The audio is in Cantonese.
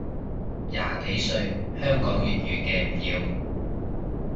廿幾歲香港粵語嘅唔要